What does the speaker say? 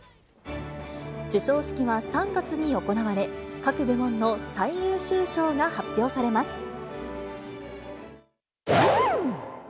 授賞式は３月に行われ、各部門の最優秀賞が発表されます。